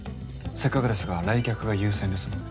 せっかくですが来客が優先ですので。